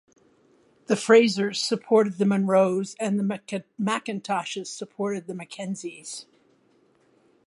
The Frasers supported the Munros and the Mackintoshes supported the Mackenzies.